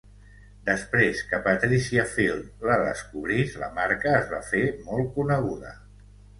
Després que Patricia Field la descobrís, la marca es va fer molt coneguda.